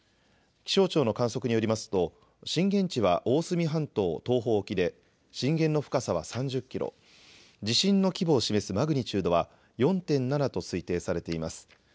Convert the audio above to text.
気象庁の観測によりますと震源地は大隅半島東方沖で震源の深さは３０キロ、地震の規模を示すマグニチュードは４．７と推定されています。